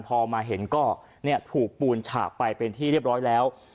พอมาเห็นก็ถูกปูนฉากไปเป็นที่เรียบร้อยแล้ว